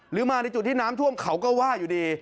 หรือมาในจุดที่น้ำท่วมเขาก็ว่าอยู่ดี